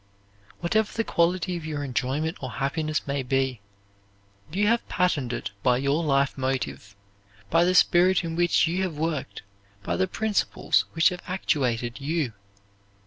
Whatever the quality of your enjoyment or happiness may be, you have patterned it by your life motive by the spirit in which you have worked, by the principles which have actuated you.